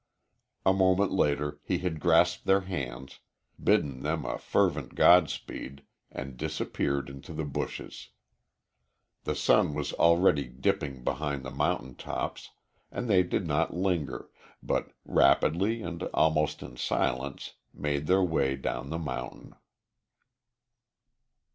A moment later he had grasped their hands, bidden them a fervent godspeed, and disappeared into the bushes. The sun was already dipping behind the mountain tops and they did not linger, but rapidly and almost in silence made their way down the mountain.